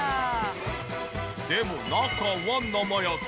でも中は生焼け。